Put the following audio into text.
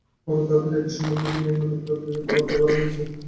পরে তাদের একই সীমান্ত দিয়ে মিয়ানমারে ফেরত যেতে বাধ্য করা হয়েছে।